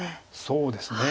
そうですね。